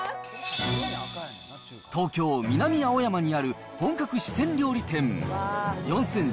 東京・南青山にある本格四川料理店、４０００